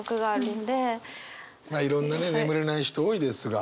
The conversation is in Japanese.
まあいろんなね眠れない人多いですが。